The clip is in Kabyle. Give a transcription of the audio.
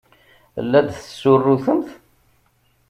La d-tessurrutemt?